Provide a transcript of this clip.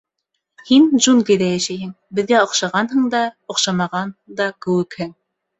— Һин джунглиҙа йәшәйһең, беҙгә оҡшағанһың да, оҡшамаған да кеүекһең.